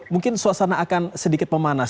mungkin suasana akan sedikit memanas